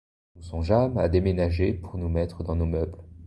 Nous songeâmes à déménager pour nous mettre dans nos meubles.